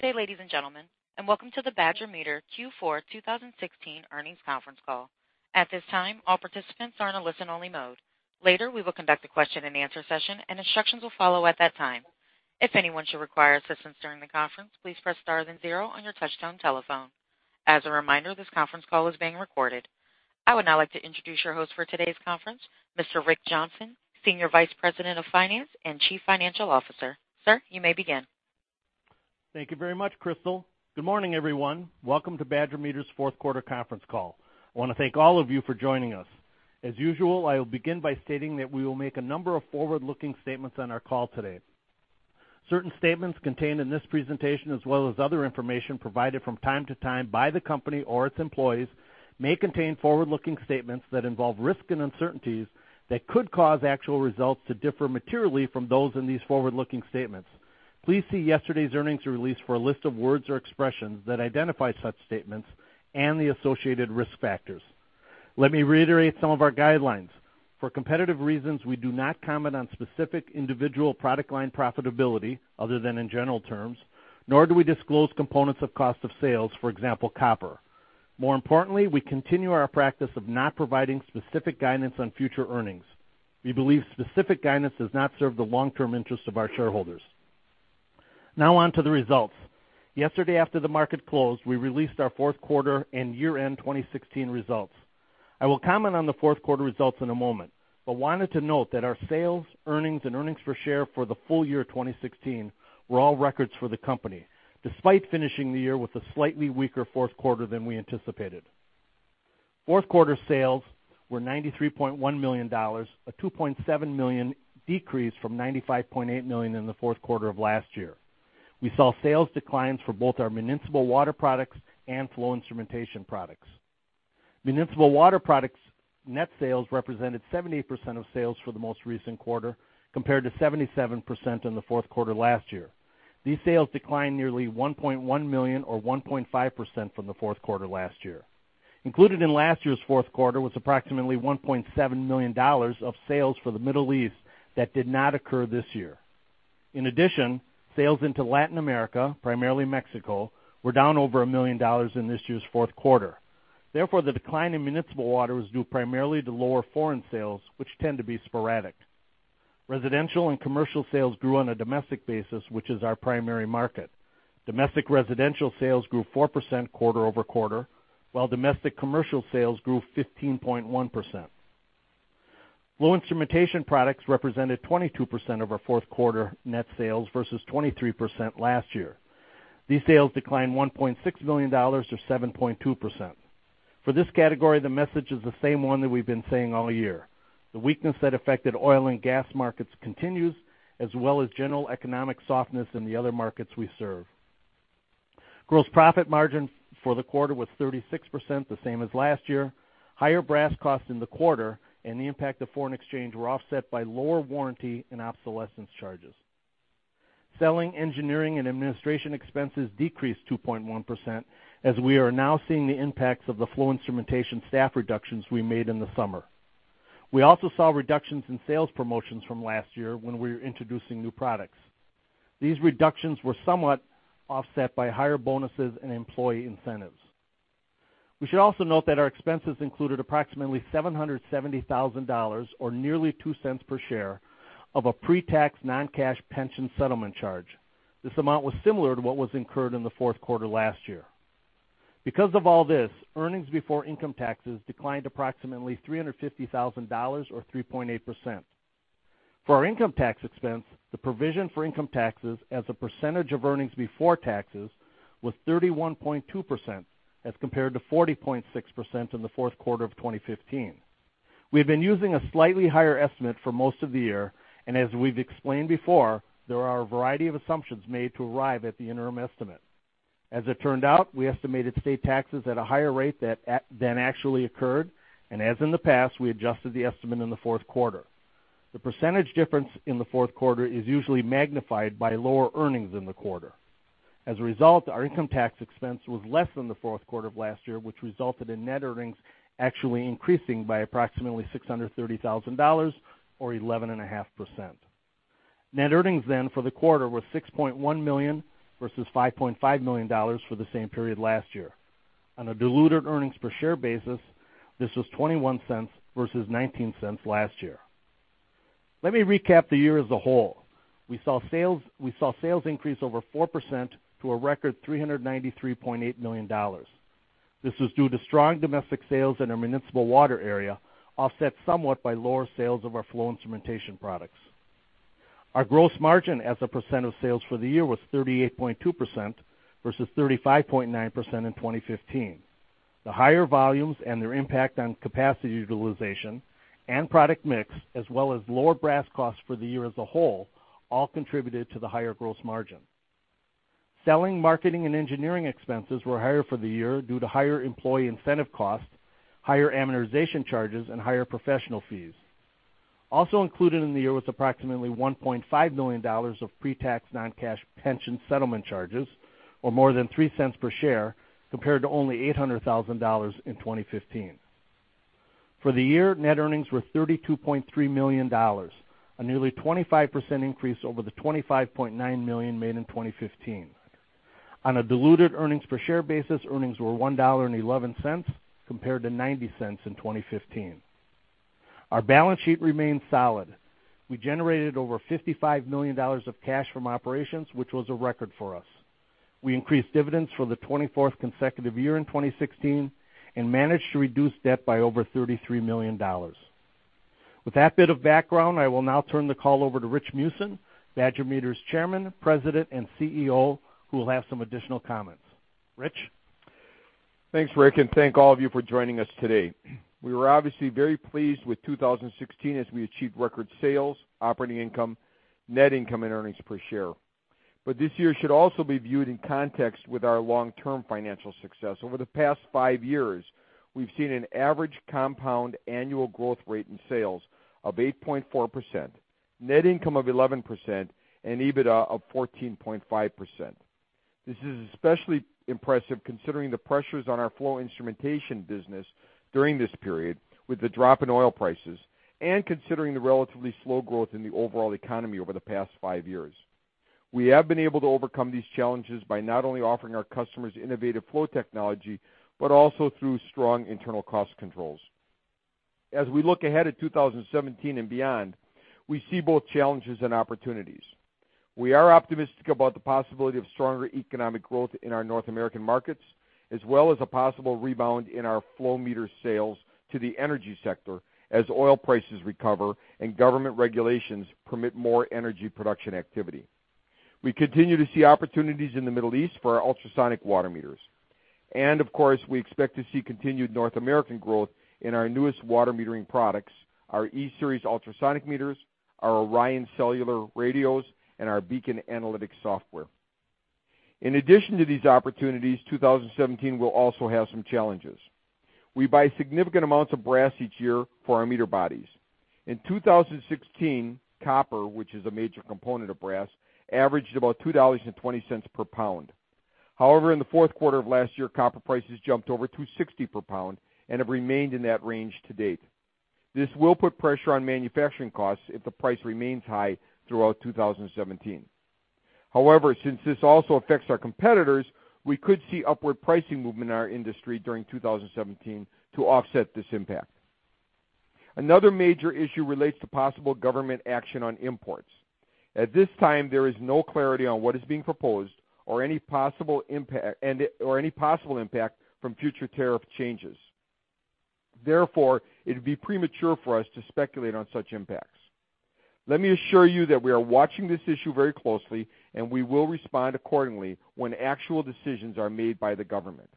Good day, ladies and gentlemen, welcome to the Badger Meter Q4 2016 earnings conference call. At this time, all participants are in a listen-only mode. Later, we will conduct a question and answer session and instructions will follow at that time. If anyone should require assistance during the conference, please press star then zero on your touchtone telephone. As a reminder, this conference call is being recorded. I would now like to introduce your host for today's conference, Mr. Rick Johnson, Senior Vice President of Finance and Chief Financial Officer. Sir, you may begin. Thank you very much, Crystal. Good morning, everyone. Welcome to Badger Meter's fourth quarter conference call. I want to thank all of you for joining us. As usual, I will begin by stating that we will make a number of forward-looking statements on our call today. Certain statements contained in this presentation, as well as other information provided from time to time by the company or its employees, may contain forward-looking statements that involve risks and uncertainties that could cause actual results to differ materially from those in these forward-looking statements. Please see yesterday's earnings release for a list of words or expressions that identify such statements and the associated risk factors. Let me reiterate some of our guidelines. For competitive reasons, we do not comment on specific individual product line profitability, other than in general terms, nor do we disclose components of cost of sales, for example, copper. More importantly, we continue our practice of not providing specific guidance on future earnings. We believe specific guidance does not serve the long-term interest of our shareholders. Now on to the results. Yesterday, after the market closed, we released our fourth quarter and year-end 2016 results. I will comment on the fourth quarter results in a moment, but wanted to note that our sales, earnings, and earnings per share for the full year 2016 were all records for the company, despite finishing the year with a slightly weaker fourth quarter than we anticipated. Fourth quarter sales were $93.1 million, a $2.7 million decrease from $95.8 million in the fourth quarter of last year. We saw sales declines for both our municipal water products and flow instrumentation products. Municipal water products net sales represented 70% of sales for the most recent quarter, compared to 77% in the fourth quarter last year. These sales declined nearly $1.1 million or 1.5% from the fourth quarter last year. Included in last year's fourth quarter was approximately $1.7 million of sales for the Middle East that did not occur this year. In addition, sales into Latin America, primarily Mexico, were down over $1 million in this year's fourth quarter. Therefore, the decline in municipal water was due primarily to lower foreign sales, which tend to be sporadic. Residential and commercial sales grew on a domestic basis, which is our primary market. Domestic residential sales grew 4% quarter-over-quarter, while domestic commercial sales grew 15.1%. Flow instrumentation products represented 22% of our fourth quarter net sales versus 23% last year. These sales declined $1.6 million, or 7.2%. For this category, the message is the same one that we've been saying all year. The weakness that affected oil and gas markets continues, as well as general economic softness in the other markets we serve. Gross profit margin for the quarter was 36%, the same as last year. Higher brass costs in the quarter and the impact of foreign exchange were offset by lower warranty and obsolescence charges. Selling, engineering, and administration expenses decreased 2.1% as we are now seeing the impacts of the flow instrumentation staff reductions we made in the summer. We also saw reductions in sales promotions from last year when we were introducing new products. These reductions were somewhat offset by higher bonuses and employee incentives. We should also note that our expenses included approximately $770,000, or nearly $0.02 per share of a pre-tax non-cash pension settlement charge. This amount was similar to what was incurred in the fourth quarter last year. Earnings before income taxes declined approximately $350,000, or 3.8%. For our income tax expense, the provision for income taxes as a percentage of earnings before taxes was 31.2% as compared to 40.6% in the fourth quarter of 2015. We have been using a slightly higher estimate for most of the year, and as we've explained before, there are a variety of assumptions made to arrive at the interim estimate. As it turned out, we estimated state taxes at a higher rate than actually occurred, and as in the past, we adjusted the estimate in the fourth quarter. The percentage difference in the fourth quarter is usually magnified by lower earnings in the quarter. As a result, our income tax expense was less than the fourth quarter of last year, which resulted in net earnings actually increasing by approximately $630,000 or 11.5%. Net earnings for the quarter were $6.1 million versus $5.5 million for the same period last year. On a diluted earnings per share basis, this was $0.21 versus $0.19 last year. Let me recap the year as a whole. We saw sales increase over 4% to a record $393.8 million. This was due to strong domestic sales in our municipal water products, offset somewhat by lower sales of our flow instrumentation products. Our gross margin as a percent of sales for the year was 38.2% versus 35.9% in 2015. The higher volumes and their impact on capacity utilization and product mix, as well as lower brass costs for the year as a whole, all contributed to the higher gross margin. Selling, marketing, and engineering expenses were higher for the year due to higher employee incentive costs, higher amortization charges, and higher professional fees. Also included in the year was approximately $1.5 million of pre-tax non-cash pension settlement charges, or more than $0.03 per share, compared to only $800,000 in 2015. For the year, net earnings were $32.3 million, a nearly 25% increase over the $25.9 million made in 2015. On a diluted earnings per share basis, earnings were $1.11 compared to $0.90 in 2015. Our balance sheet remains solid. We generated over $55 million of cash from operations, which was a record for us. We increased dividends for the 24th consecutive year in 2016 and managed to reduce debt by over $33 million. With that bit of background, I will now turn the call over to Rich Meeusen, Badger Meter's Chairman, President, and CEO, who will have some additional comments. Rich? Thanks, Rick, and thank all of you for joining us today. We were obviously very pleased with 2016 as we achieved record sales, operating income, net income and earnings per share. This year should also be viewed in context with our long-term financial success. Over the past five years, we've seen an average compound annual growth rate in sales of 8.4%, net income of 11%, and EBITDA of 14.5%. This is especially impressive considering the pressures on our flow instrumentation business during this period with the drop in oil prices and considering the relatively slow growth in the overall economy over the past five years. We have been able to overcome these challenges by not only offering our customers innovative flow technology, but also through strong internal cost controls. As we look ahead at 2017 and beyond, we see both challenges and opportunities. We are optimistic about the possibility of stronger economic growth in our North American markets, as well as a possible rebound in our flow meter sales to the energy sector as oil prices recover and government regulations permit more energy production activity. We continue to see opportunities in the Middle East for our ultrasonic water meters. Of course, we expect to see continued North American growth in our newest water metering products, our E-Series ultrasonic meters, our ORION cellular radios, and our BEACON analytics software. In addition to these opportunities, 2017 will also have some challenges. We buy significant amounts of brass each year for our meter bodies. In 2016, copper, which is a major component of brass, averaged about $2.20 per pound. However, in the fourth quarter of last year, copper prices jumped over $2.60 per pound and have remained in that range to date. This will put pressure on manufacturing costs if the price remains high throughout 2017. However, since this also affects our competitors, we could see upward pricing movement in our industry during 2017 to offset this impact. Another major issue relates to possible government action on imports. At this time, there is no clarity on what is being proposed or any possible impact from future tariff changes. Therefore, it'd be premature for us to speculate on such impacts. Let me assure you that we are watching this issue very closely, and we will respond accordingly when actual decisions are made by the government.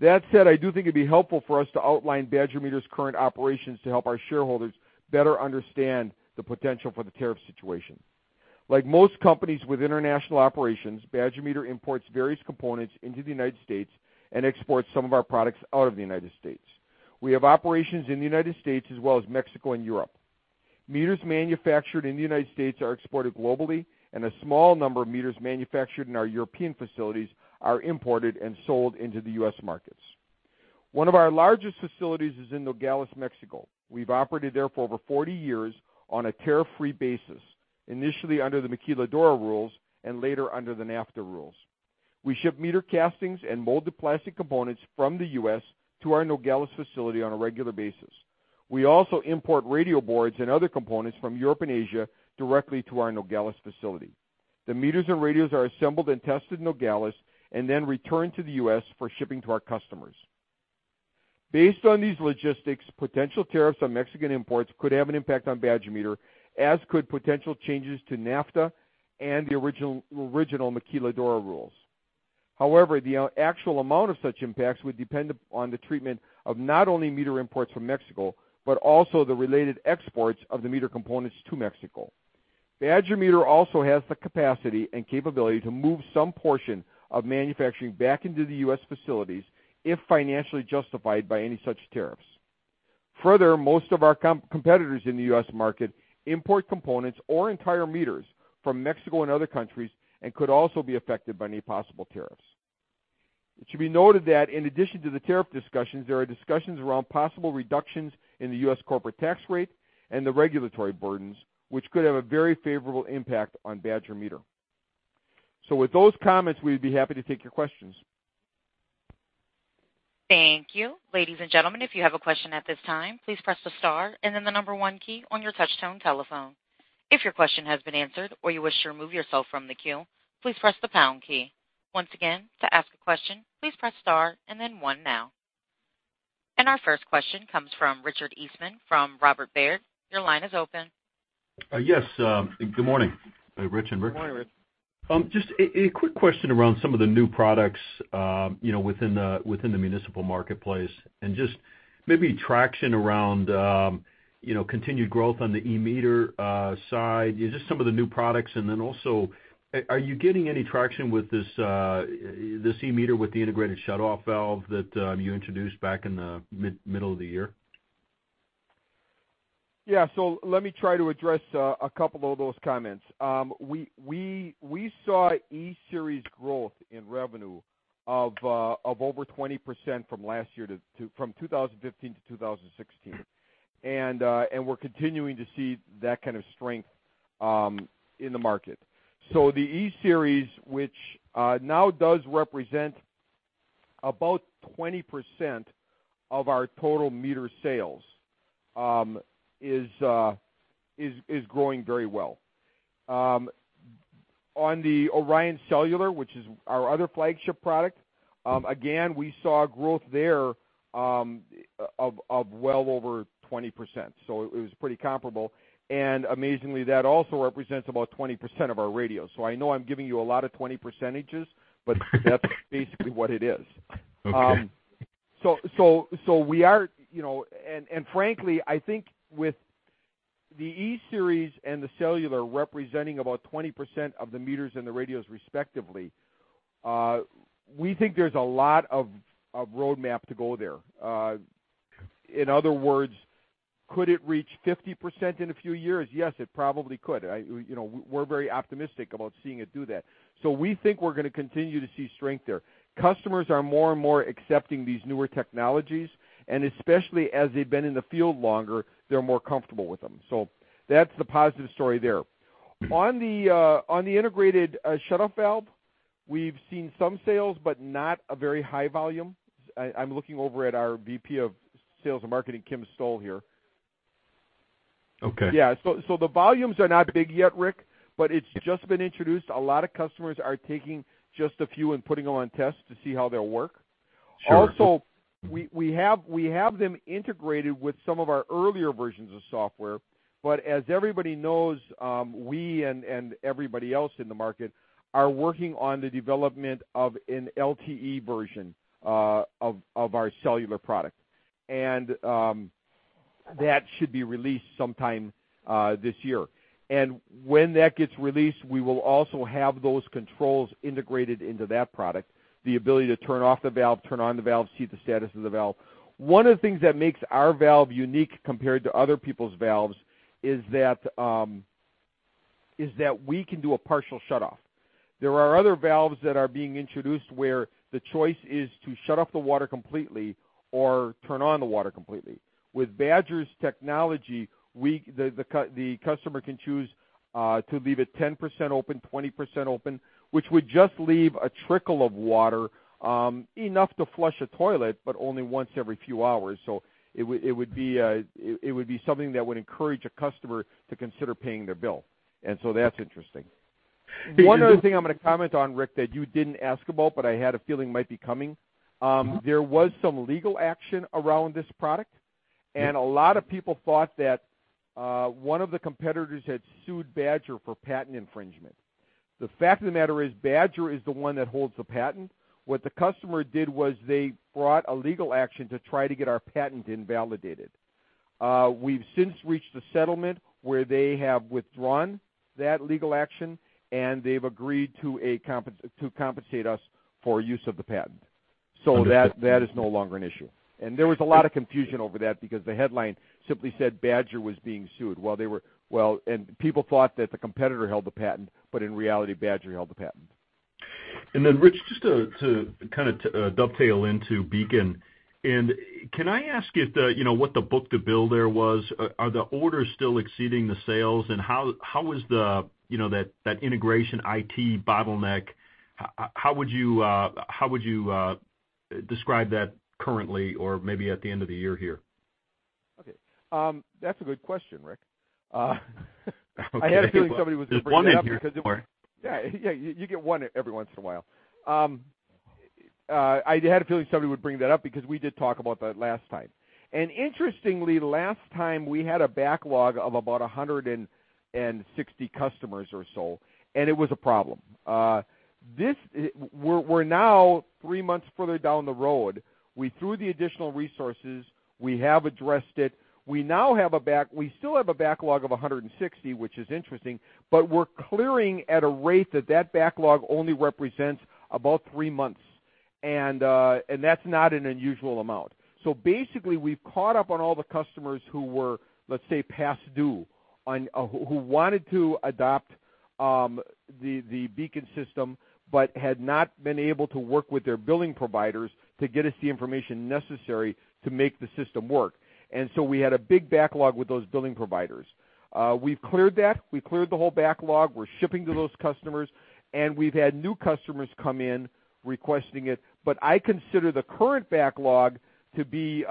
That said, I do think it'd be helpful for us to outline Badger Meter's current operations to help our shareholders better understand the potential for the tariff situation. Like most companies with international operations, Badger Meter imports various components into the United States and exports some of our products out of the United States. We have operations in the United States as well as Mexico and Europe. Meters manufactured in the United States are exported globally, and a small number of meters manufactured in our European facilities are imported and sold into the U.S. markets. One of our largest facilities is in Nogales, Mexico. We've operated there for over 40 years on a tariff-free basis, initially under the Maquiladora rules and later under the NAFTA rules. We ship meter castings and molded plastic components from the U.S. to our Nogales facility on a regular basis. We also import radio boards and other components from Europe and Asia directly to our Nogales facility. The meters and radios are assembled and tested in Nogales and then returned to the U.S. for shipping to our customers. Based on these logistics, potential tariffs on Mexican imports could have an impact on Badger Meter, as could potential changes to NAFTA and the original Maquiladora rules. The actual amount of such impacts would depend upon the treatment of not only meter imports from Mexico, but also the related exports of the meter components to Mexico. Badger Meter also has the capacity and capability to move some portion of manufacturing back into the U.S. facilities if financially justified by any such tariffs. Most of our competitors in the U.S. market import components or entire meters from Mexico and other countries and could also be affected by any possible tariffs. It should be noted that in addition to the tariff discussions, there are discussions around possible reductions in the U.S. corporate tax rate and the regulatory burdens, which could have a very favorable impact on Badger Meter. With those comments, we'd be happy to take your questions. Thank you. Ladies and gentlemen, if you have a question at this time, please press the star and then the number one key on your touchtone telephone. If your question has been answered or you wish to remove yourself from the queue, please press the pound key. Once again, to ask a question, please press star and then one now. Our first question comes from Richard Eastman from Robert Baird. Your line is open. Yes. Good morning, Rich and Rick. Good morning, Rich. Just a quick question around some of the new products within the municipal marketplace and just maybe traction around continued growth on the E-Series side, just some of the new products. Also, are you getting any traction with this E-Series with the integrated shutoff valve that you introduced back in the middle of the year? Let me try to address a couple of those comments. We saw E-Series growth in revenue of over 20% from last year, from 2015 to 2016. We're continuing to see that kind of strength in the market. The E-Series, which now does represent about 20% of our total meter sales, is growing very well. On the ORION Cellular, which is our other flagship product, again, we saw growth there of well over 20%, it was pretty comparable. Amazingly, that also represents about 20% of our radios. I know I'm giving you a lot of 20 percentages, but that's basically what it is. Okay. Frankly, I think with the E-Series and the cellular representing about 20% of the meters and the radios respectively, we think there's a lot of road map to go there. In other words, could it reach 50% in a few years? Yes, it probably could. We're very optimistic about seeing it do that. We think we're going to continue to see strength there. Customers are more and more accepting these newer technologies, and especially as they've been in the field longer, they're more comfortable with them. That's the positive story there. On the integrated shutoff valve, we've seen some sales, but not a very high volume. I'm looking over at our VP of Sales and Marketing, Kim Stoll, here. Okay. Yeah. The volumes are not big yet, Rick, but it's just been introduced. A lot of customers are taking just a few and putting them on tests to see how they'll work. Sure. Also, we have them integrated with some of our earlier versions of software. As everybody knows, we and everybody else in the market are working on the development of an LTE version of our cellular product. That should be released sometime this year. When that gets released, we will also have those controls integrated into that product, the ability to turn off the valve, turn on the valve, see the status of the valve. One of the things that makes our valve unique compared to other people's valves is that we can do a partial shutoff. There are other valves that are being introduced where the choice is to shut off the water completely or turn on the water completely. With Badger's technology, the customer can choose to leave it 10% open, 20% open, which would just leave a trickle of water, enough to flush a toilet, but only once every few hours. It would be something that would encourage a customer to consider paying their bill. That's interesting. One other thing I'm going to comment on, Rick, that you didn't ask about, but I had a feeling might be coming. There was some legal action around this product, and a lot of people thought that one of the competitors had sued Badger for patent infringement. The fact of the matter is Badger is the one that holds the patent. What the customer did was they brought a legal action to try to get our patent invalidated. We've since reached a settlement where they have withdrawn that legal action, and they've agreed to compensate us for use of the patent. Understood. That is no longer an issue. There was a lot of confusion over that because the headline simply said Badger was being sued. People thought that the competitor held the patent, but in reality, Badger held the patent. Rich, just to kind of dovetail into BEACON, can I ask what the book-to-bill there was? Are the orders still exceeding the sales? How is that integration IT bottleneck, how would you describe that currently or maybe at the end of the year here? That's a good question, Rick. Okay. I had a feeling somebody was going to bring that up because. There's one in here. Don't worry Yeah, you get one every once in a while. I had a feeling somebody would bring that up because we did talk about that last time. Interestingly, last time, we had a backlog of about 160 customers or so, and it was a problem. We're now three months further down the road. We threw the additional resources. We have addressed it. We still have a backlog of 160, which is interesting, but we're clearing at a rate that that backlog only represents about three months, and that's not an unusual amount. Basically, we've caught up on all the customers who were, let's say, past due, who wanted to adopt the BEACON system but had not been able to work with their billing providers to get us the information necessary to make the system work. We had a big backlog with those billing providers. We've cleared that. We cleared the whole backlog. We're shipping to those customers, and we've had new customers come in requesting it. I consider the current backlog, the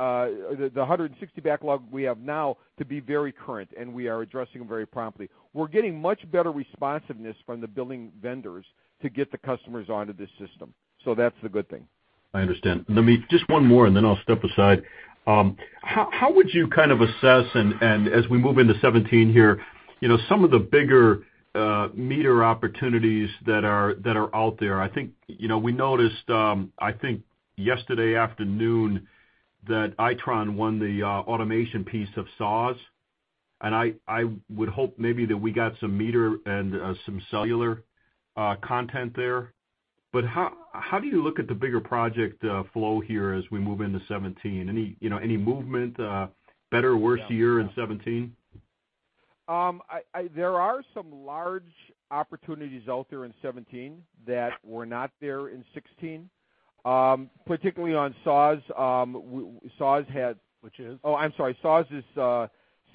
160 backlog we have now, to be very current, and we are addressing them very promptly. We're getting much better responsiveness from the billing vendors to get the customers onto this system. That's the good thing. I understand. Let me just one more, then I'll step aside. How would you kind of assess, as we move into 2017 here, some of the bigger meter opportunities that are out there. We noticed, I think yesterday afternoon, that Itron won the automation piece of SAWS. I would hope maybe that we got some meter and some cellular content there. How do you look at the bigger project flow here as we move into 2017? Any movement better or worse year in 2017? There are some large opportunities out there in 2017 that were not there in 2016. Particularly on SAWS. Which is? I'm sorry. SAWS is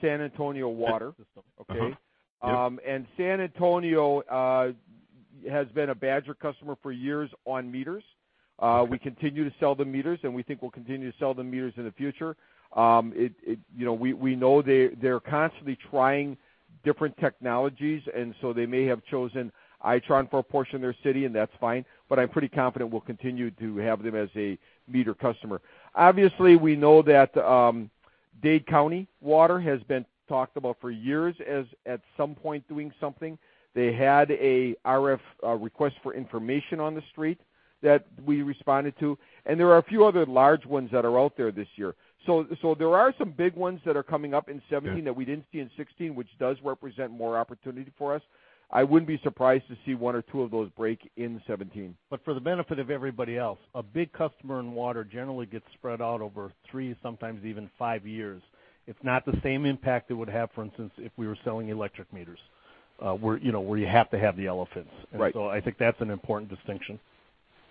San Antonio Water. System. Okay. Yep. San Antonio has been a Badger customer for years on meters. Okay. We continue to sell them meters, and we think we'll continue to sell them meters in the future. We know they're constantly trying different technologies. They may have chosen Itron for a portion of their city, and that's fine. I'm pretty confident we'll continue to have them as a meter customer. Obviously, we know that Dade County Water has been talked about for years as at some point doing something. They had a RF, request for information on the street that we responded to, and there are a few other large ones that are out there this year. There are some big ones that are coming up in 2017. Yeah That we didn't see in 2016, which does represent more opportunity for us. I wouldn't be surprised to see one or two of those break in 2017. For the benefit of everybody else, a big customer in water generally gets spread out over three, sometimes even five years. It's not the same impact it would have, for instance, if we were selling electric meters, where you have to have the elephants. Right. I think that's an important distinction.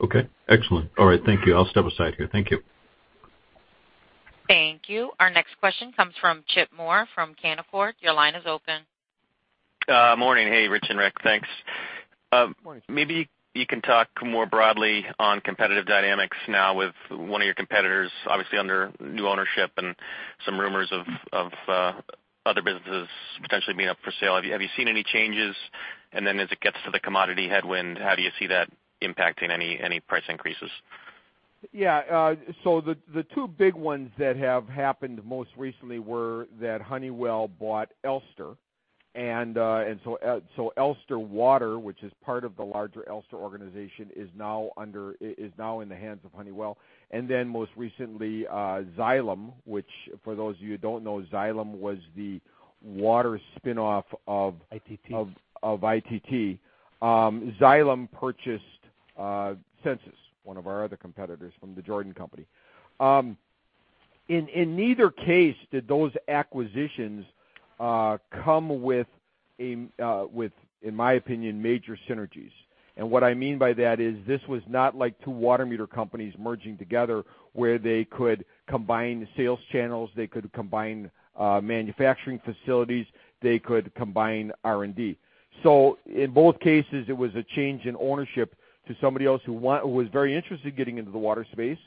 Okay, excellent. All right, thank you. I'll step aside here. Thank you. Thank you. Our next question comes from Chip Moore from Canaccord. Your line is open. Morning. Hey, Rich and Rick. Thanks. Morning. Maybe you can talk more broadly on competitive dynamics now with one of your competitors, obviously under new ownership and some rumors of other businesses potentially being up for sale. Have you seen any changes? As it gets to the commodity headwind, how do you see that impacting any price increases? The two big ones that have happened most recently were that Honeywell bought Elster. Elster Water, which is part of the larger Elster organization, is now in the hands of Honeywell. Most recently, Xylem, which for those of you who don't know, Xylem was the water spinoff of- ITT of ITT. Xylem purchased Sensus, one of our other competitors from The Jordan Company. In neither case did those acquisitions come with, in my opinion, major synergies. What I mean by that is this was not like two water meter companies merging together where they could combine sales channels, they could combine manufacturing facilities, they could combine R&D. In both cases, it was a change in ownership to somebody else who was very interested in getting into the water space.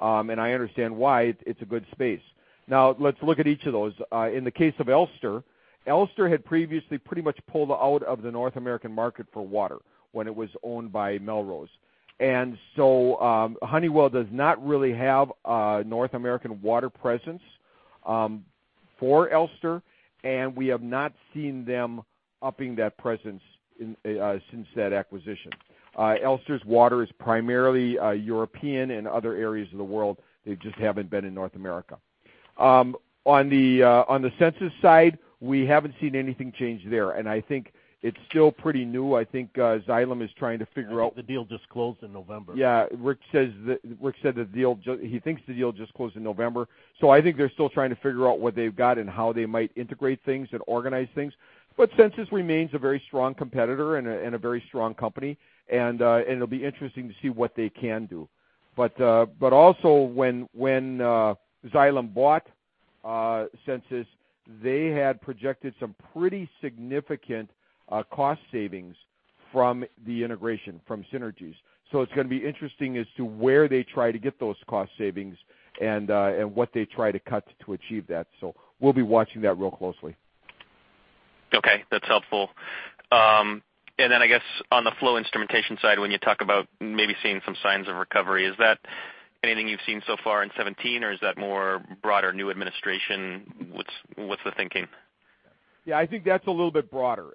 I understand why. It's a good space. Let's look at each of those. In the case of Elster had previously pretty much pulled out of the North American market for water when it was owned by Melrose. Honeywell does not really have a North American water presence for Elster, and we have not seen them upping that presence since that acquisition. Elster's Water is primarily European and other areas of the world. They just haven't been in North America. On the Sensus side, we haven't seen anything change there, and I think it's still pretty new. I think Xylem is trying to figure out- I think the deal just closed in November. Yeah. Rick said he thinks the deal just closed in November. I think they're still trying to figure out what they've got and how they might integrate things and organize things. Sensus remains a very strong competitor and a very strong company. It'll be interesting to see what they can do. Also when Xylem bought Sensus, they had projected some pretty significant cost savings from the integration from synergies. It's going to be interesting as to where they try to get those cost savings and what they try to cut to achieve that. We'll be watching that real closely. Okay, that's helpful. I guess on the flow instrumentation side, when you talk about maybe seeing some signs of recovery, is that anything you've seen so far in 2017, or is that more broader new administration? What's the thinking? Yeah, I think that's a little bit broader.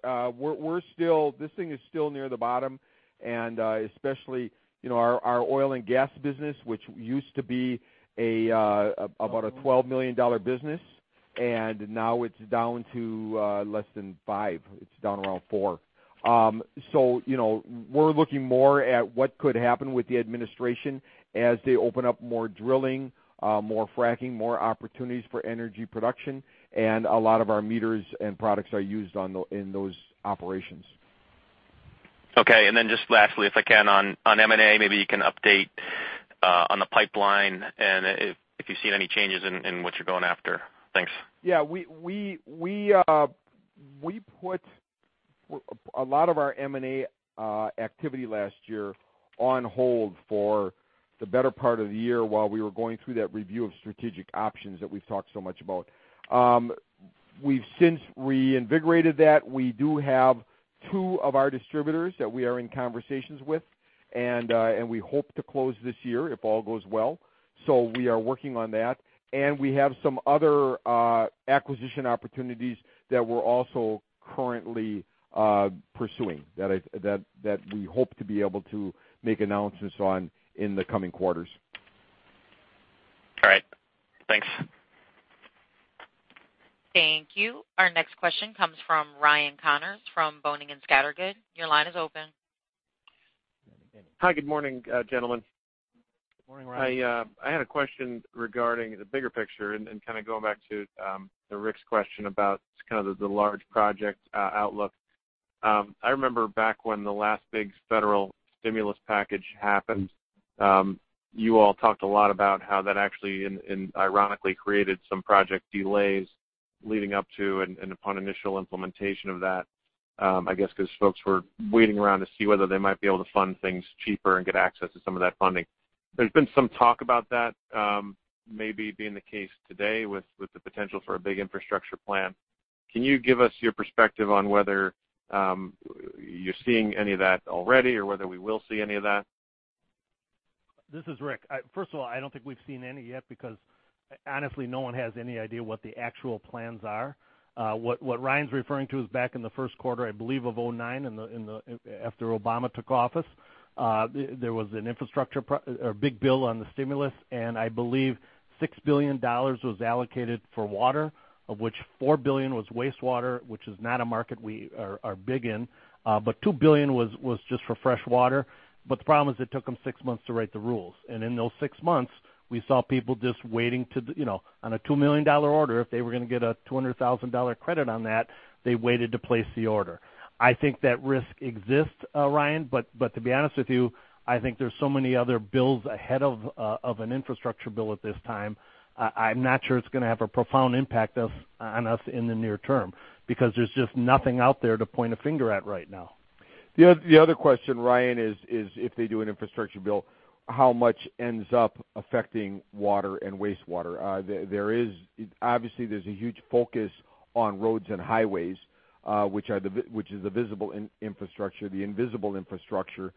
This thing is still near the bottom, especially our oil and gas business, which used to be about a $12 million business, and now it's down to less than five. It's down around four. We're looking more at what could happen with the administration as they open up more drilling, more fracking, more opportunities for energy production. A lot of our meters and products are used in those operations. Okay. Just lastly, if I can on M&A, maybe you can update on the pipeline and if you've seen any changes in what you're going after. Thanks. Yeah. We put a lot of our M&A activity last year on hold for the better part of the year while we were going through that review of strategic options that we've talked so much about. We've since reinvigorated that. We do have two of our distributors that we are in conversations with, and we hope to close this year if all goes well. We are working on that, and we have some other acquisition opportunities that we are also currently pursuing, that we hope to be able to make announcements on in the coming quarters. Thank you. Our next question comes from Ryan Connors from Boenning & Scattergood. Your line is open. Hi. Good morning, gentlemen. Good morning, Ryan. I had a question regarding the bigger picture and kind of going back to Rick's question about kind of the large project outlook. I remember back when the last big federal stimulus package happened, you all talked a lot about how that actually, and ironically, created some project delays leading up to and upon initial implementation of that. I guess because folks were waiting around to see whether they might be able to fund things cheaper and get access to some of that funding. There's been some talk about that maybe being the case today with the potential for a big infrastructure plan. Can you give us your perspective on whether you're seeing any of that already or whether we will see any of that? This is Rich. First of all, I don't think we've seen any yet because, honestly, no one has any idea what the actual plans are. What Ryan's referring to is back in the first quarter, I believe, of 2009, after Obama took office. There was an infrastructure, or big bill on the stimulus, and I believe $6 billion was allocated for water, of which $4 billion was wastewater, which is not a market we are big in. Two billion dollars was just for fresh water. The problem is it took them six months to write the rules. In those six months, we saw people just waiting. On a $2 million order, if they were going to get a $200,000 credit on that, they waited to place the order. I think that risk exists, Ryan, to be honest with you, I think there's so many other bills ahead of an infrastructure bill at this time. I'm not sure it's going to have a profound impact on us in the near term, because there's just nothing out there to point a finger at right now. The other question, Ryan, is if they do an infrastructure bill, how much ends up affecting water and wastewater? Obviously, there's a huge focus on roads and highways, which is the visible infrastructure. The invisible infrastructure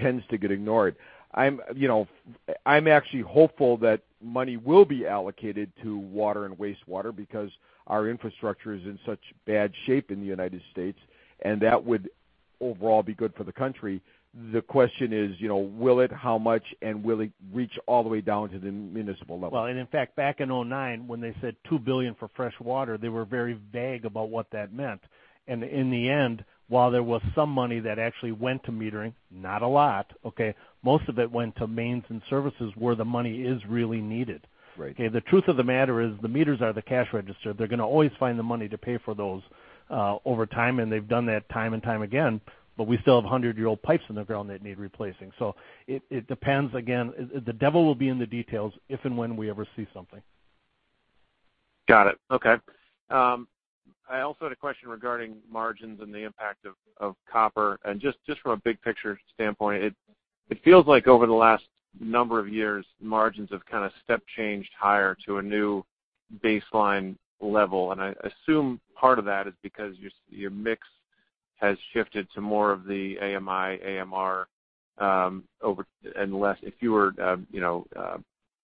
tends to get ignored. I'm actually hopeful that money will be allocated to water and wastewater because our infrastructure is in such bad shape in the U.S., and that would overall be good for the country. The question is, will it? How much? Will it reach all the way down to the municipal level? In fact, back in 2009, when they said $2 billion for fresh water, they were very vague about what that meant. In the end, while there was some money that actually went to metering, not a lot, most of it went to mains and services where the money is really needed. Right. The truth of the matter is the meters are the cash register. They're going to always find the money to pay for those over time, and they've done that time and time again. We still have 100-year-old pipes in the ground that need replacing. It depends, again, the devil will be in the details if and when we ever see something. Got it. Okay. I also had a question regarding margins and the impact of copper. Just from a big picture standpoint, it feels like over the last number of years, margins have kind of step changed higher to a new baseline level. I assume part of that is because your mix has shifted to more of the AMI, AMR, and less, fewer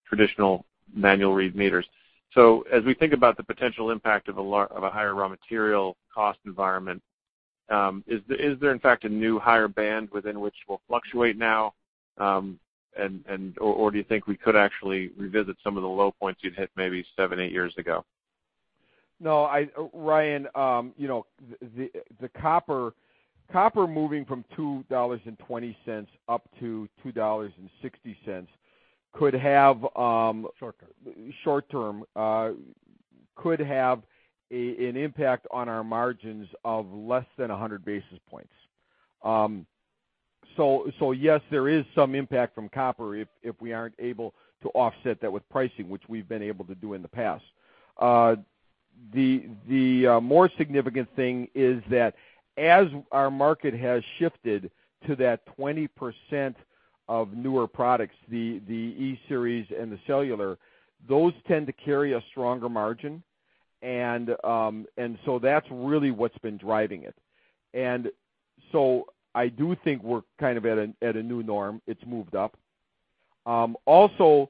traditional manual read meters. As we think about the potential impact of a higher raw material cost environment, is there, in fact, a new higher band within which we'll fluctuate now? Or do you think we could actually revisit some of the low points you'd hit maybe seven, eight years ago? No. Ryan, the copper moving from $2.20 up to $2.60 could have. Short term. short term could have an impact on our margins of less than 100 basis points. Yes, there is some impact from copper if we aren't able to offset that with pricing, which we've been able to do in the past. The more significant thing is that as our market has shifted to that 20% of newer products, the E-Series and the cellular, those tend to carry a stronger margin. That's really what's been driving it. I do think we're kind of at a new norm. It's moved up. Also,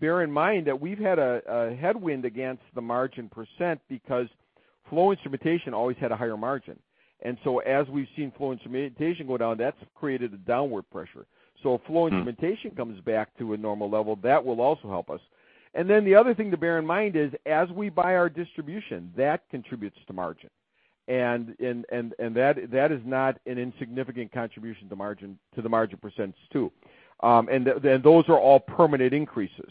bear in mind that we've had a headwind against the margin percent because flow instrumentation always had a higher margin. As we've seen flow instrumentation go down, that's created a downward pressure. If flow instrumentation comes back to a normal level, that will also help us. The other thing to bear in mind is as we buy our distribution, that contributes to margin, and that is not an insignificant contribution to the margin percents, too. Those are all permanent increases.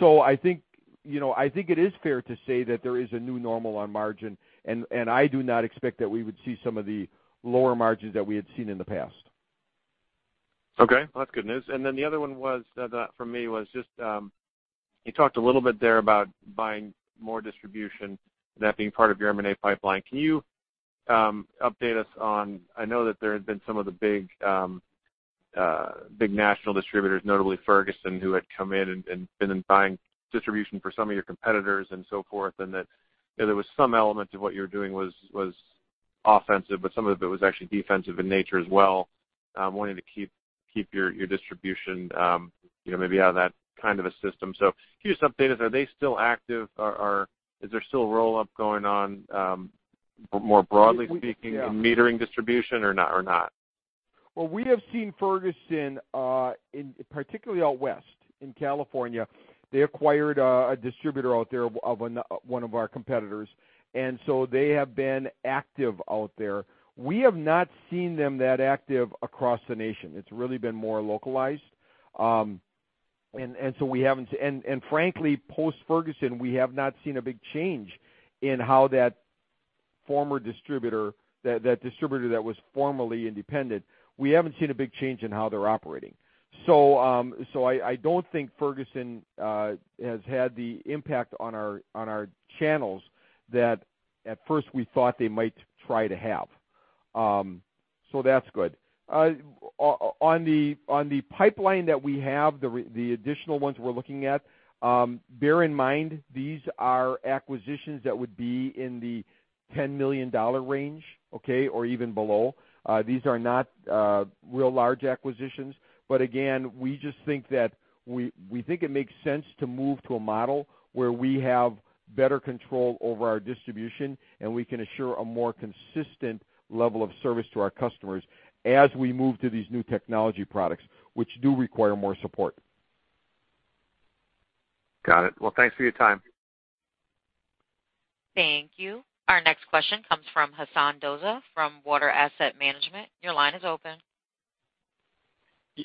I think it is fair to say that there is a new normal on margin, and I do not expect that we would see some of the lower margins that we had seen in the past. Okay. Well, that's good news. The other one for me was just, you talked a little bit there about buying more distribution and that being part of your M&A pipeline. Can you update us on, I know that there had been some of the big national distributors, notably Ferguson, who had come in and been buying distribution for some of your competitors and so forth. There was some element of what you were doing was offensive, but some of it was actually defensive in nature as well, wanting to keep your distribution maybe out of that kind of a system. Can you just update us, are they still active, or is there still a roll-up going on more broadly speaking in metering distribution or not? Well, we have seen Ferguson, particularly out west in California. They acquired a distributor out there of one of our competitors, and so they have been active out there. We have not seen them that active across the nation. It's really been more localized. Frankly, post-Ferguson, we have not seen a big change in how that distributor that was formerly independent, we haven't seen a big change in how they're operating. I don't think Ferguson has had the impact on our channels that at first we thought they might try to have. That's good. On the pipeline that we have, the additional ones we're looking at, bear in mind, these are acquisitions that would be in the $10 million range, okay? Even below. These are not real large acquisitions. Again, we think it makes sense to move to a model where we have better control over our distribution, and we can assure a more consistent level of service to our customers as we move to these new technology products, which do require more support. Got it. Well, thanks for your time. Thank you. Our next question comes from Hasan Doza from Water Asset Management. Your line is open.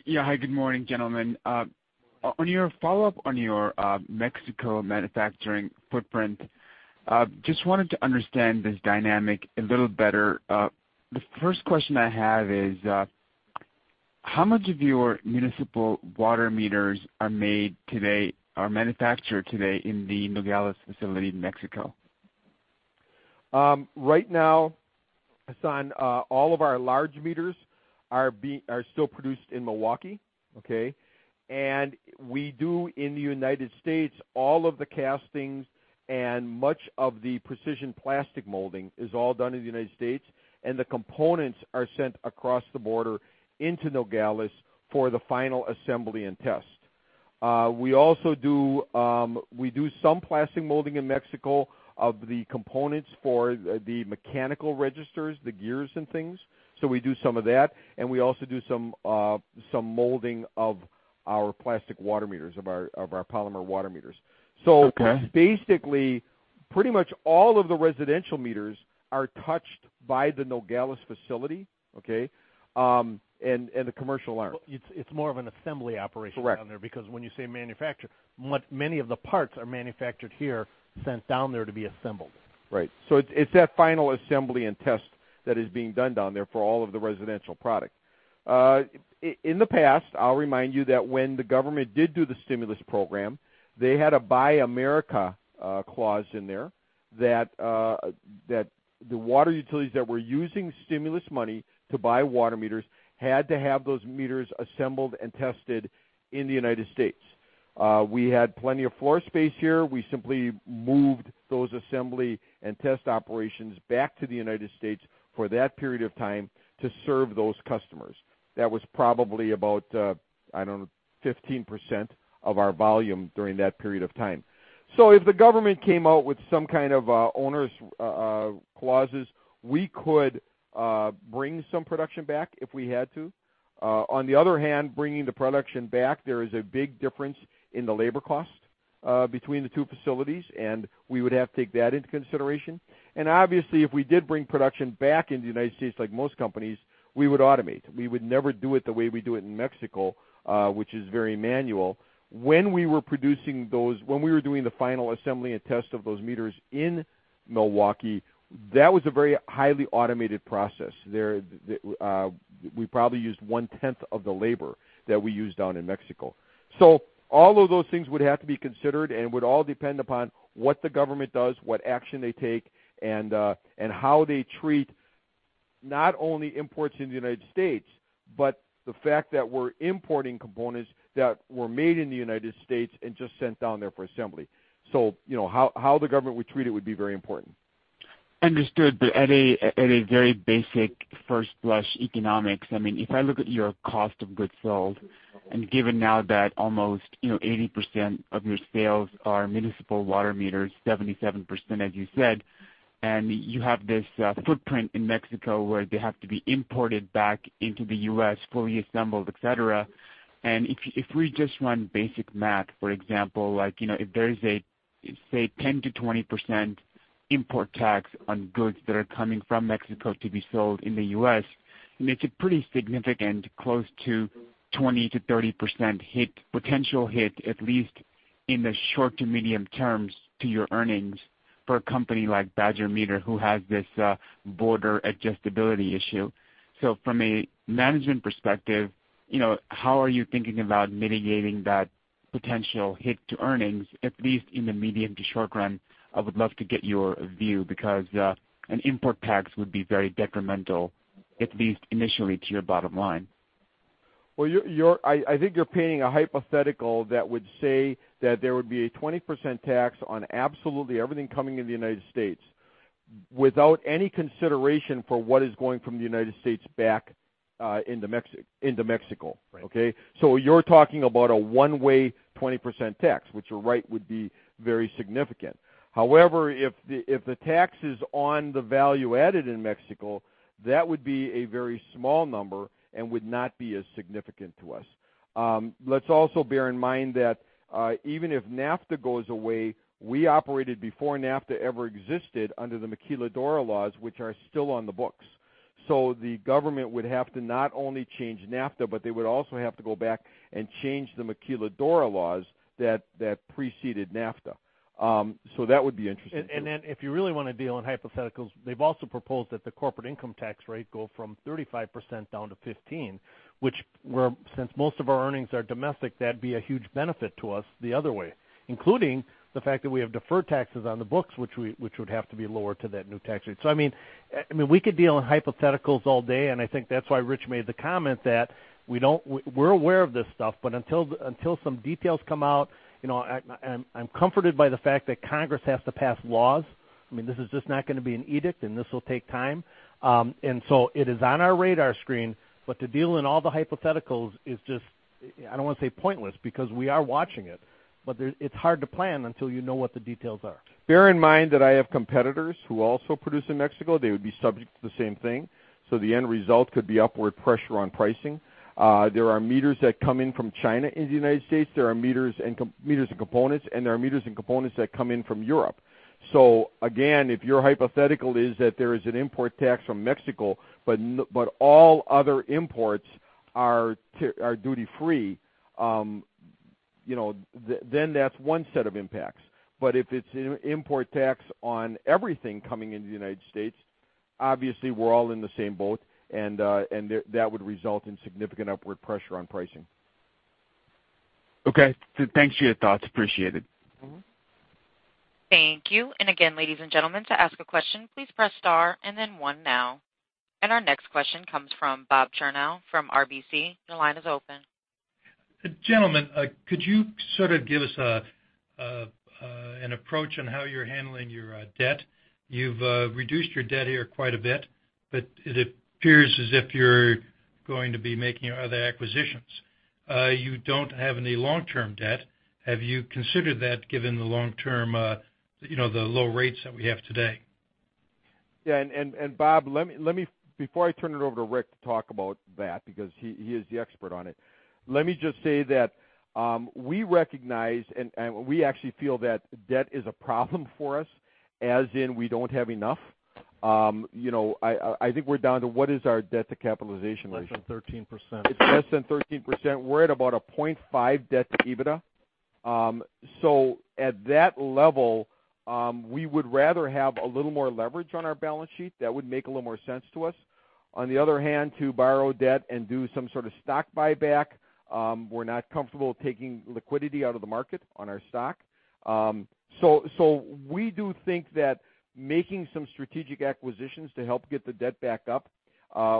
Yeah. Hi, good morning, gentlemen. On your follow-up on your Mexico manufacturing footprint, just wanted to understand this dynamic a little better. The first question I have is, how much of your municipal water meters are manufactured today in the Nogales facility in Mexico? Right now, Hasan, all of our large meters are still produced in Milwaukee, okay? We do in the U.S., all of the castings and much of the precision plastic molding is all done in the U.S., and the components are sent across the border into Nogales for the final assembly and test. We do some plastic molding in Mexico of the components for the mechanical registers, the gears and things. We do some of that, and we also do some molding of our plastic water meters, of our polymer water meters. Okay. Basically, pretty much all of the residential meters are touched by the Nogales facility, okay? The commercial aren't. It's more of an assembly operation down there. Correct. When you say manufacture, many of the parts are manufactured here, sent down there to be assembled. Right. It's that final assembly and test that is being done down there for all of the residential product. In the past, I'll remind you that when the government did do the stimulus program, they had a Buy American clause in there that the water utilities that were using stimulus money to buy water meters had to have those meters assembled and tested in the U.S. We had plenty of floor space here. We simply moved those assembly and test operations back to the U.S. for that period of time to serve those customers. That was probably about, I don't know, 15% of our volume during that period of time. If the government came out with some kind of owners clauses, we could bring some production back if we had to. On the other hand, bringing the production back, there is a big difference in the labor cost between the two facilities, we would have to take that into consideration. Obviously, if we did bring production back into the U.S. like most companies, we would automate. We would never do it the way we do it in Mexico, which is very manual. When we were doing the final assembly and test of those meters in Milwaukee, that was a very highly automated process. We probably used one tenth of the labor that we used down in Mexico. All of those things would have to be considered and would all depend upon what the government does, what action they take, and how they treat not only imports into the U.S., but the fact that we're importing components that were made in the U.S. and just sent down there for assembly. How the government would treat it would be very important. Understood. At a very basic first blush economics, if I look at your cost of goods sold, given now that almost 80% of your sales are municipal water meters, 77%, as you said, and you have this footprint in Mexico where they have to be imported back into the U.S., fully assembled, et cetera. If we just run basic math, for example, if there is a, say, 10%-20% import tax on goods that are coming from Mexico to be sold in the U.S., it makes a pretty significant, close to 20%-30% potential hit, at least in the short to medium terms, to your earnings for a company like Badger Meter who has this border adjustability issue. From a management perspective, how are you thinking about mitigating that potential hit to earnings, at least in the medium to short run? I would love to get your view because an import tax would be very detrimental, at least initially, to your bottom line. Well, I think you're painting a hypothetical that would say that there would be a 20% tax on absolutely everything coming in the United States without any consideration for what is going from the United States back into Mexico. Right. Okay? You're talking about a one-way 20% tax, which you're right, would be very significant. However, if the tax is on the value added in Mexico, that would be a very small number and would not be as significant to us. Let's also bear in mind that, even if NAFTA goes away, we operated before NAFTA ever existed under the Maquiladora laws, which are still on the books. The government would have to not only change NAFTA, but they would also have to go back and change the Maquiladora laws that preceded NAFTA. That would be interesting too. If you really want to deal in hypotheticals, they've also proposed that the corporate income tax rate go from 35% down to 15, which since most of our earnings are domestic, that'd be a huge benefit to us the other way, including the fact that we have deferred taxes on the books which would have to be lower to that new tax rate. We could deal in hypotheticals all day, and I think that's why Rich made the comment that we're aware of this stuff, but until some details come out, I'm comforted by the fact that Congress has to pass laws. This is just not going to be an edict, and this will take time. It is on our radar screen, but to deal in all the hypotheticals is just I don't want to say pointless, because we are watching it, but it's hard to plan until you know what the details are. Bear in mind that I have competitors who also produce in Mexico. They would be subject to the same thing, so the end result could be upward pressure on pricing. There are meters that come in from China into the United States. There are meters and components, and there are meters and components that come in from Europe. Again, if your hypothetical is that there is an import tax from Mexico, but all other imports are duty-free, then that's one set of impacts. If it's an import tax on everything coming into the United States, obviously we're all in the same boat, and that would result in significant upward pressure on pricing. Okay. Thanks for your thoughts. Appreciate it. Thank you. Again, ladies and gentlemen, to ask a question, please press star and then one now. Our next question comes from Bob Chernow from RBC. Your line is open. Gentlemen, could you sort of give us an approach on how you're handling your debt? You've reduced your debt here quite a bit, but it appears as if you're going to be making other acquisitions. You don't have any long-term debt. Have you considered that given the low rates that we have today? Yeah, Bob, before I turn it over to Rick to talk about that, because he is the expert on it, let me just say that, we recognize and we actually feel that debt is a problem for us, as in we don't have enough. I think we're down to what is our debt to capitalization ratio? Less than 13%. It's less than 13%. We're at about a 0.5 debt to EBITDA. At that level, we would rather have a little more leverage on our balance sheet. That would make a little more sense to us. On the other hand, to borrow debt and do some sort of stock buyback, we're not comfortable taking liquidity out of the market on our stock. We do think that making some strategic acquisitions to help get the debt back up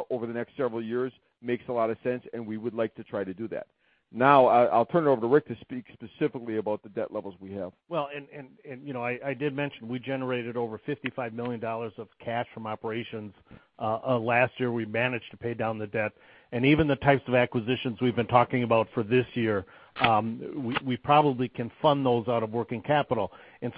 over the next several years makes a lot of sense, we would like to try to do that. Now, I'll turn it over to Rick to speak specifically about the debt levels we have. I did mention we generated over $55 million of cash from operations. Last year, we managed to pay down the debt, even the types of acquisitions we've been talking about for this year, we probably can fund those out of working capital.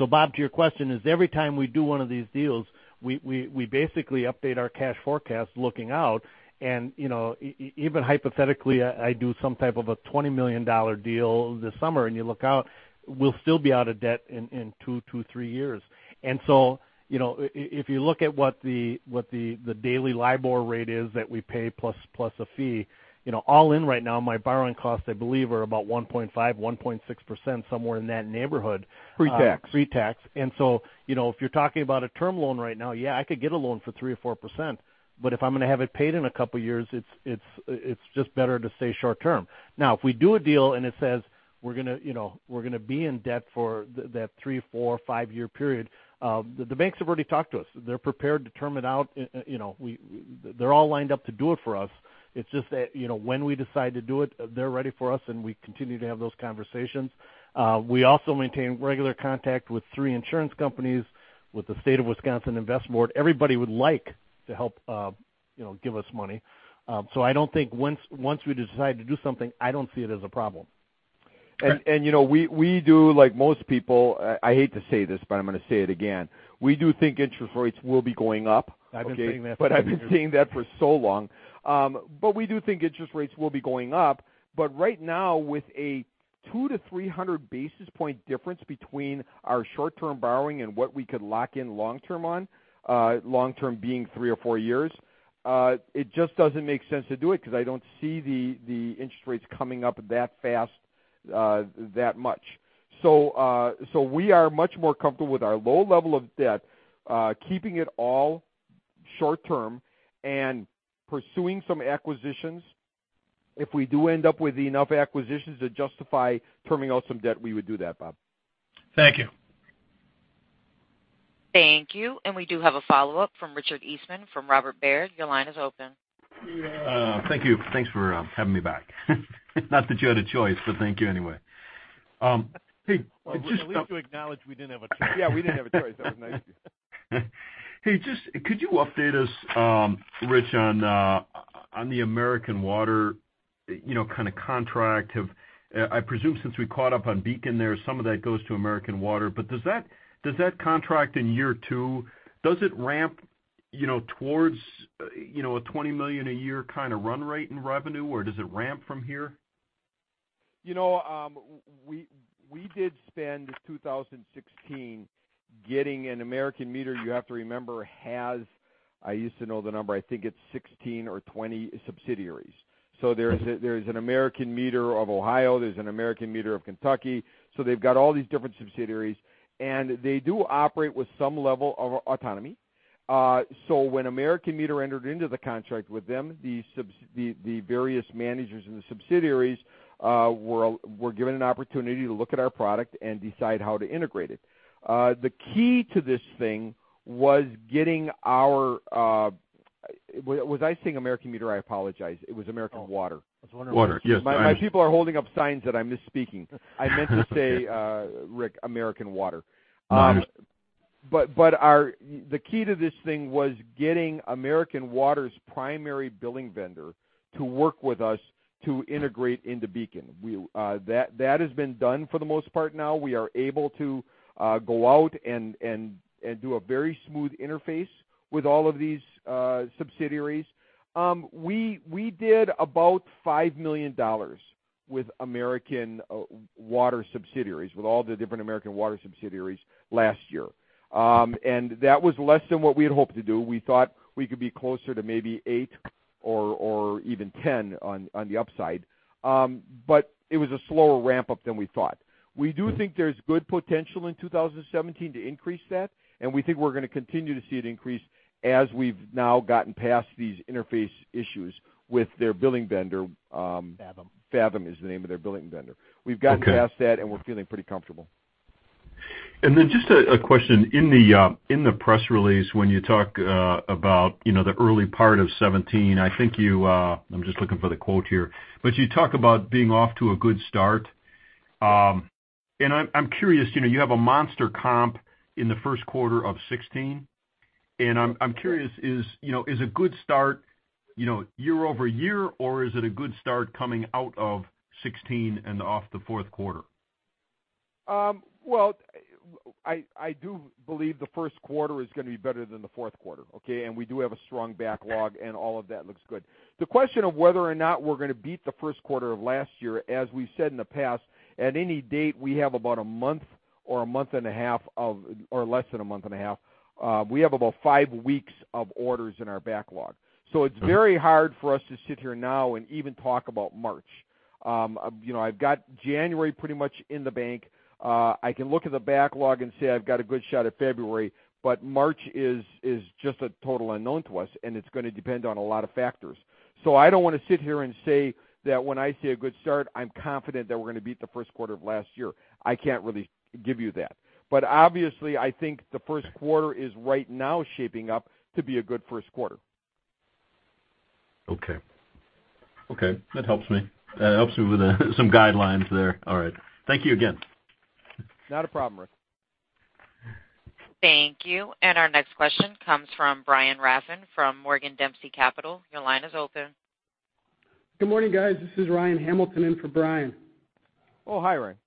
Bob, to your question is every time we do one of these deals, we basically update our cash forecast looking out, even hypothetically, I do some type of a $20 million deal this summer, and you look out, we'll still be out of debt in two to three years. If you look at what the daily LIBOR rate is that we pay plus a fee, all in right now, my borrowing costs, I believe, are about 1.5%, 1.6%, somewhere in that neighborhood. Pre-tax. Pre-tax. If you're talking about a term loan right now, yeah, I could get a loan for 3% or 4%. If I'm going to have it paid in a couple of years, it's just better to stay short-term. Now, if we do a deal and it says we're going to be in debt for that three, four, five-year period, the banks have already talked to us. They're prepared to term it out. They're all lined up to do it for us. It's just that when we decide to do it, they're ready for us, and we continue to have those conversations. We also maintain regular contact with three insurance companies, with the State of Wisconsin Investment Board. Everybody would like to help give us money. I don't think once we decide to do something, I don't see it as a problem. We do like most people, I hate to say this, I'm going to say it again. We do think interest rates will be going up. I've been saying that for years. I've been saying that for so long. We do think interest rates will be going up. Right now, with a 200-300 basis point difference between our short-term borrowing and what we could lock in long term on, long term being three or four years, it just doesn't make sense to do it because I don't see the interest rates coming up that fast, that much. We are much more comfortable with our low level of debt, keeping it all short term and pursuing some acquisitions. If we do end up with enough acquisitions to justify terming out some debt, we would do that, Bob. Thank you. Thank you. We do have a follow-up from Richard Eastman from Robert Baird. Your line is open. Thank you. Thanks for having me back. Not that you had a choice, but thank you anyway. Well, at least you acknowledge we didn't have a choice. Yeah, we didn't have a choice. That was nice of you. Hey, could you update us, Rich, on the American Water kind of contract? I presume since we caught up on BEACON there, some of that goes to American Water. Does that contract in year two, does it ramp towards a $20 million a year kind of run rate in revenue, or does it ramp from here? We did spend 2016 getting an American Meter, you have to remember, has I used to know the number. I think it's 16 or 20 subsidiaries. There's an American Meter of Ohio, there's an American Meter of Kentucky. They've got all these different subsidiaries, and they do operate with some level of autonomy. When American Meter entered into the contract with them, the various managers in the subsidiaries were given an opportunity to look at our product and decide how to integrate it. The key to this thing was getting our Was I saying American Meter? I apologize. It was American Water. I was wondering. Water. Yes. My people are holding up signs that I'm misspeaking. I meant to say, Rick, American Water. Understood. The key to this thing was getting American Water's primary billing vendor to work with us to integrate into BEACON. That has been done for the most part now. We are able to go out and do a very smooth interface with all of these subsidiaries. We did about $5 million with American Water subsidiaries, with all the different American Water subsidiaries last year. That was less than what we had hoped to do. We thought we could be closer to maybe eight or even 10 on the upside. It was a slower ramp-up than we thought. We do think there's good potential in 2017 to increase that, and we think we're going to continue to see it increase as we've now gotten past these interface issues with their billing vendor. Fathom. Fathom is the name of their billing vendor. Okay. We've gotten past that, and we're feeling pretty comfortable. Just a question. In the press release, when you talk about the early part of 2017, I'm just looking for the quote here. You talk about being off to a good start. I'm curious, you have a monster comp in the first quarter of 2016, I'm curious, is a good start year-over-year, or is it a good start coming out of 2016 and off the fourth quarter? I do believe the first quarter is going to be better than the fourth quarter, okay? We do have a strong backlog, and all of that looks good. The question of whether or not we're going to beat the first quarter of last year, as we've said in the past, at any date, we have about five weeks of orders in our backlog. Okay. It's very hard for us to sit here now and even talk about March. I've got January pretty much in the bank. I can look at the backlog and say I've got a good shot at February, but March is just a total unknown to us, and it's going to depend on a lot of factors. I don't want to sit here and say that when I say a good start, I'm confident that we're going to beat the first quarter of last year. I can't really give you that. Obviously, I think the first quarter is right now shaping up to be a good first quarter. Okay. That helps me. That helps me with some guidelines there. All right. Thank you again. Not a problem, Rick. Thank you. Our next question comes from Brian Rafn from Morgan Dempsey Capital. Your line is open. Good morning, guys. This is Ryan Hamilton in for Brian. Oh, hi, Ryan.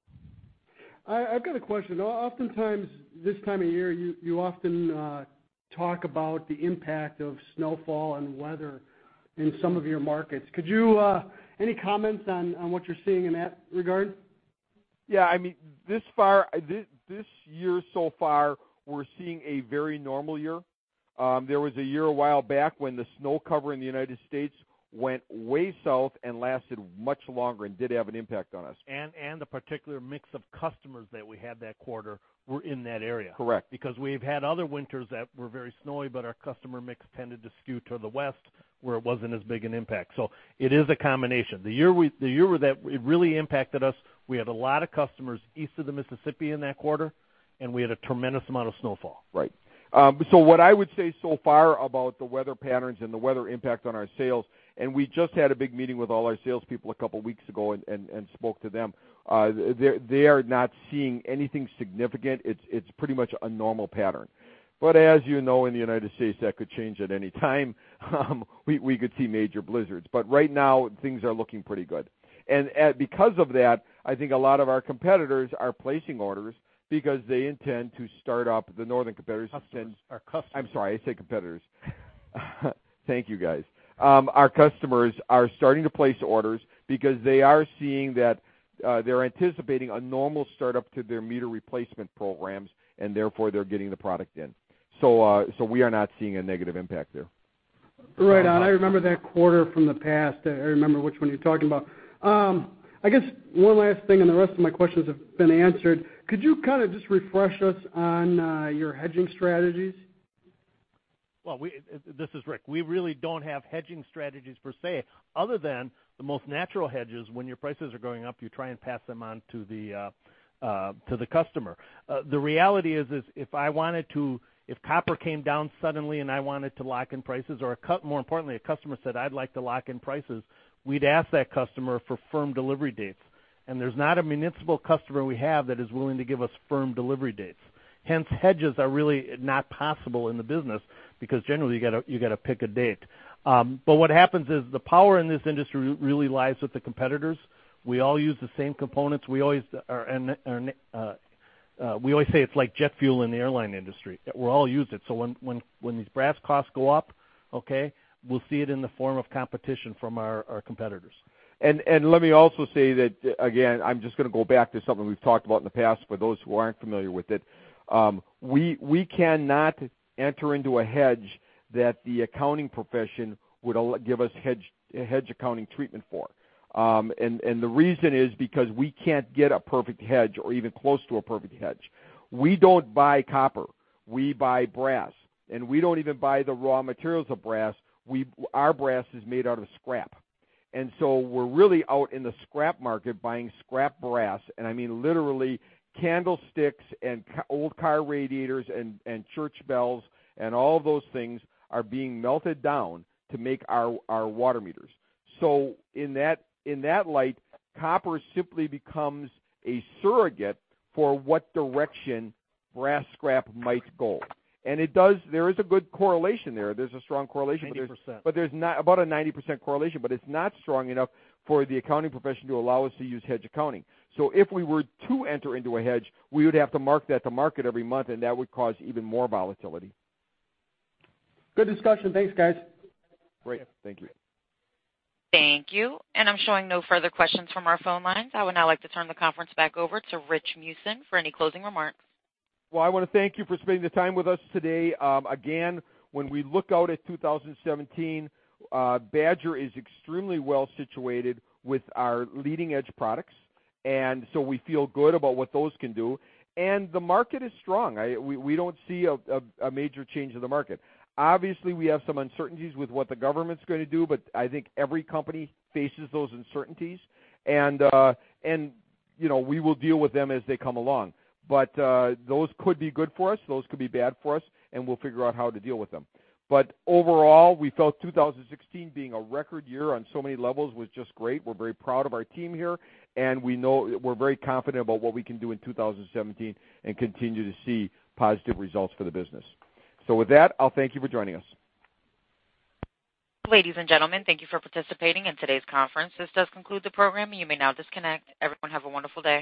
I've got a question. Oftentimes, this time of year, you often talk about the impact of snowfall and weather in some of your markets. Any comments on what you're seeing in that regard? Yeah, this year so far, we're seeing a very normal year. There was a year a while back when the snow cover in the United States went way south and lasted much longer and did have an impact on us. The particular mix of customers that we had that quarter were in that area. Correct. We've had other winters that were very snowy, but our customer mix tended to skew to the west, where it wasn't as big an impact. It is a combination. The year where that it really impacted us, we had a lot of customers east of the Mississippi in that quarter, and we had a tremendous amount of snowfall. Right. What I would say so far about the weather patterns and the weather impact on our sales, and we just had a big meeting with all our salespeople a couple of weeks ago and spoke to them. They are not seeing anything significant. It's pretty much a normal pattern. As you know, in the U.S., that could change at any time. We could see major blizzards. Right now, things are looking pretty good. Because of that, I think a lot of our competitors are placing orders because they intend to start up the northern. Customers. Our customers. I'm sorry. I said competitors. Thank you, guys. Our customers are starting to place orders because they are seeing that they're anticipating a normal startup to their meter replacement programs, and therefore, they're getting the product in. We are not seeing a negative impact there. Right on. I remember that quarter from the past. I remember which one you're talking about. I guess one last thing, and the rest of my questions have been answered. Could you kind of just refresh us on your hedging strategies? Well, this is Rick. We really don't have hedging strategies per se, other than the most natural hedges. When your prices are going up, you try and pass them on to the customer. The reality is if copper came down suddenly and I wanted to lock in prices, or more importantly, a customer said, "I'd like to lock in prices," we'd ask that customer for firm delivery dates. There's not a municipal customer we have that is willing to give us firm delivery dates. Hence, hedges are really not possible in the business because generally you've got to pick a date. What happens is the power in this industry really lies with the competitors. We all use the same components. We always say it's like jet fuel in the airline industry. We all use it. When these brass costs go up, okay, we'll see it in the form of competition from our competitors. Let me also say that, again, I'm just going to go back to something we've talked about in the past for those who aren't familiar with it. We cannot enter into a hedge that the accounting profession would give us hedge accounting treatment for. The reason is because we can't get a perfect hedge or even close to a perfect hedge. We don't buy copper, we buy brass, and we don't even buy the raw materials of brass. Our brass is made out of scrap, we're really out in the scrap market buying scrap brass. I mean, literally, candlesticks and old car radiators and church bells and all of those things are being melted down to make our water meters. In that light, copper simply becomes a surrogate for what direction brass scrap might go. There is a good correlation there. There's a strong correlation there. 90%. About a 90% correlation. It's not strong enough for the accounting profession to allow us to use hedge accounting. If we were to enter into a hedge, we would have to mark that to market every month, that would cause even more volatility. Good discussion. Thanks, guys. Great. Thank you. Thank you. I'm showing no further questions from our phone lines. I would now like to turn the conference back over to Rich Meeusen for any closing remarks. Well, I want to thank you for spending the time with us today. Again, when we look out at 2017, Badger is extremely well-situated with our leading-edge products, and so we feel good about what those can do. The market is strong. We don't see a major change in the market. Obviously, we have some uncertainties with what the government's going to do, but I think every company faces those uncertainties, and we will deal with them as they come along. Those could be good for us, those could be bad for us, and we'll figure out how to deal with them. Overall, we felt 2016 being a record year on so many levels was just great. We're very proud of our team here, and we're very confident about what we can do in 2017 and continue to see positive results for the business. With that, I'll thank you for joining us. Ladies and gentlemen, thank you for participating in today's conference. This does conclude the program. You may now disconnect. Everyone, have a wonderful day